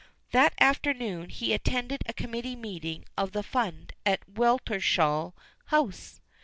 That afternoon he attended a committee meeting of the fund at Weltershall House.